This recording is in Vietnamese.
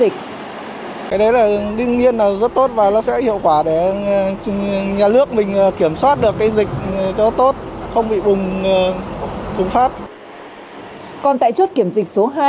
còn tại chốt kiểm dịch số hai